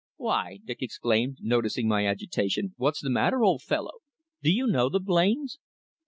"Why," Dick exclaimed, noticing my agitation, "what's the matter, old fellow? Do you know the Blains?"